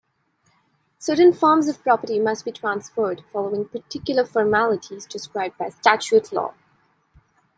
Certain forms of property must be transferred following particular formalities described by statute law.